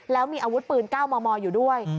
แล้วมีอาวุธปืน๙มมอยู่ด้วย